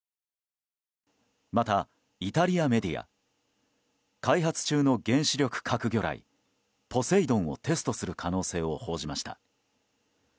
また、イタリアメディア開発中の原子力核魚雷ポセイドンをテストする可能性を報じました。